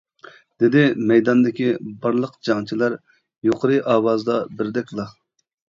— دېدى مەيداندىكى بارلىق جەڭچىلەر يۇقىرى ئاۋازدا بىردەكلا.